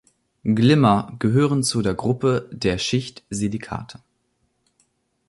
Glimmer gehören zu der Gruppe der Schichtsilikate.